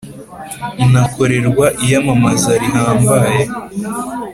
inakorerwa iyamamaza rihambaye.